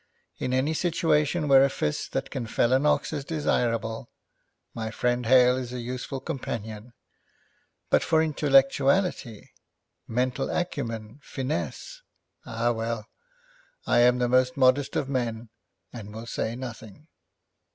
In any situation where a fist that can fell an ox is desirable, my friend Hale is a useful companion, but for intellectuality, mental acumen, finesse ah, well! I am the most modest of men, and will say nothing.